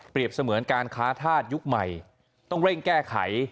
เสมือนการค้าธาตุยุคใหม่ต้องเร่งแก้ไข